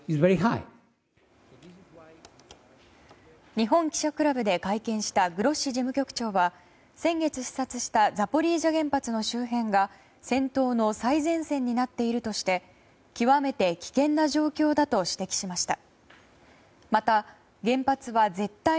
日本記者クラブで会見したグロッシ事務局長は先月視察したザポリージャ原発の周辺が戦闘の最前線になっているとして極めて危険な状況だと指摘しました。